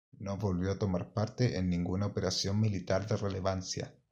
No volvió a tomar parte en ninguna operación militar de relevancia.